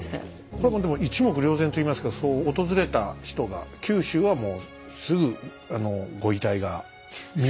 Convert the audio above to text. これもでも一目瞭然といいますかそう訪れた人が九州はもうすぐご遺体が見れますけど。